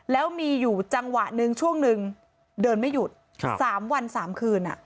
แล้วมีอยู่จังหวะหนึ่งช่วงหนึ่งเดินไม่หยุด๓วัน๓คืน